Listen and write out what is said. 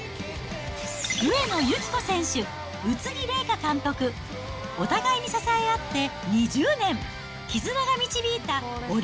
上野由岐子選手、宇津木麗華監督、お互いに支え合って２０年！